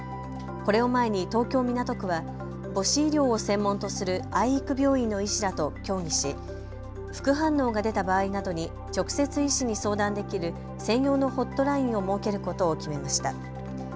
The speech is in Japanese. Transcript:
これを前に東京港区は母子医療を専門とする愛育病院の医者らと協議し、副反応が出た場合などに直接医師に相談できる専用のホットラインを設けることを決めました。